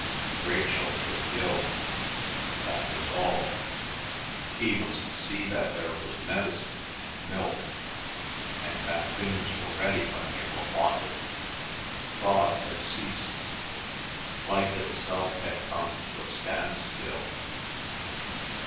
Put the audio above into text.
Rachel was ill; that was all; he must see that there was medicine and milk, and that things were ready when they were wanted. Thought had ceased; life itself had come to a standstill.